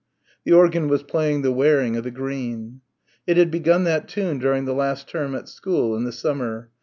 The organ was playing "The Wearin' o' the Green." It had begun that tune during the last term at school, in the summer.